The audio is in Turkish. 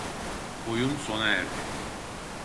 Oyun sona erdi.